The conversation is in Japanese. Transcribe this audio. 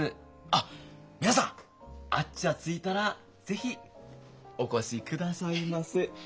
あっ皆さんあっちさ着いたら是非お越しくださいませ。